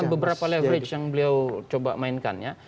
beberapa leverage yang beliau coba mainkan ya